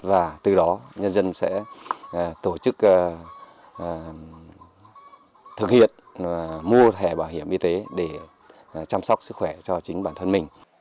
và từ đó nhân dân sẽ tổ chức thực hiện mua thẻ bảo hiểm y tế để chăm sóc sức khỏe cho chính bản thân mình